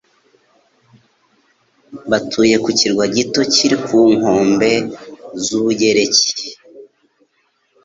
Batuye ku kirwa gito kiri ku nkombe z'Ubugereki.